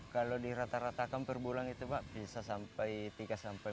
kalau diratakan per bulan itu bisa sampai tiga empat jutaan